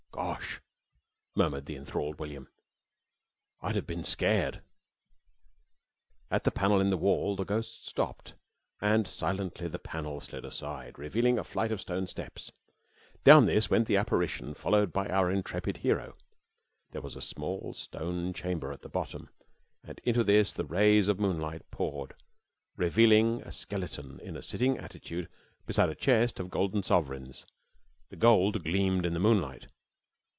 "Gosh!" murmured the enthralled William. "I'd have bin scared!" "At the panel in the wall the ghost stopped, and silently the panel slid aside, revealing a flight of stone steps. Down this went the apparition followed by our intrepid hero. There was a small stone chamber at the bottom, and into this the rays of moonlight poured, revealing a skeleton in a sitting attitude beside a chest of golden sovereigns. The gold gleamed in the moonlight."